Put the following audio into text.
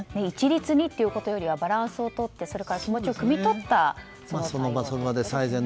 一律にということよりはバランスをとってそれから気持ちをくみ取った対策が必要ですよね。